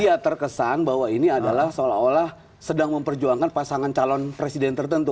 iya terkesan bahwa ini adalah seolah olah sedang memperjuangkan pasangan calon presiden tertentu